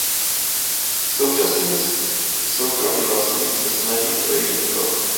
Současný soukromý vlastník se snaží o její obnovu.